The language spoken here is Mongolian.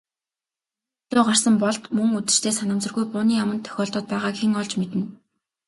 Өнөө өглөө гарсан Болд мөн үдэштээ санамсаргүй бууны аманд тохиолдоод байгааг хэн олж мэднэ.